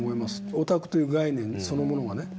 「オタク」という概念そのものがね。